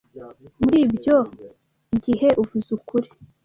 Muri ibyo gihe, uvuze ukuri.